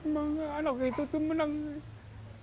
maka anak itu tuh menangis